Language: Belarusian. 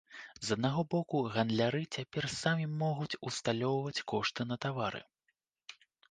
З аднаго боку, гандляры цяпер самі могуць усталёўваць кошты на тавары.